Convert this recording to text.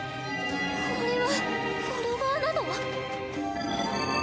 これはフォロワーなの？